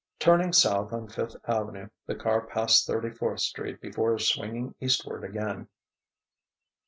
Turning south on Fifth Avenue, the car passed Thirty fourth Street before swinging eastward again.